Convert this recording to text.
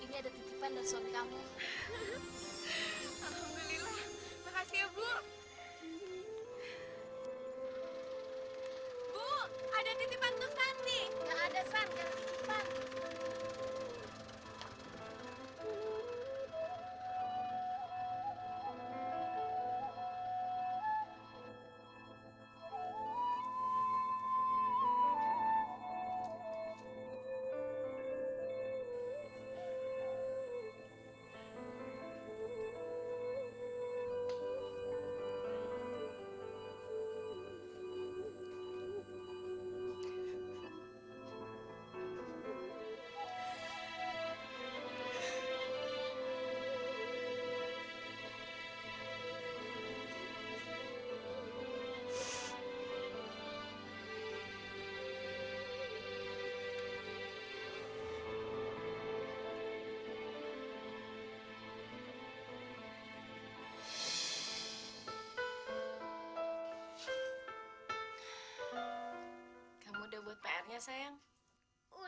yusan ini ada titipan dari suami kamu